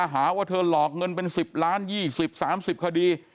หาว่าเธอหลอกเงินเป็นสิบล้านยี่สิบสามสิบคดี